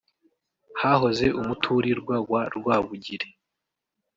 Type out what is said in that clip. hahoze umuturirwa wa Rwabugiri